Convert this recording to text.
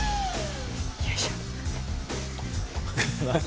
よいしょ。